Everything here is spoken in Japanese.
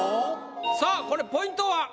さあこれポイントは？